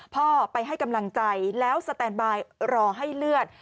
พ่อไปให้กำลังใจแล้วสแตนบายรอให้เลือด